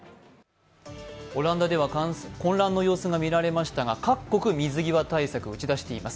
オランダでは混乱の様子がみられましたが各国、水際対策を打ち出しています。